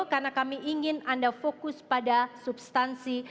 karena kami ingin anda fokus pada substansi